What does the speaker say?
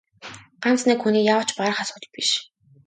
Ганц нэг хүний яавч барах асуудал биш.